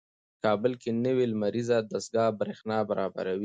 کابل کې نوې لمریزه دستګاه برېښنا برابروي.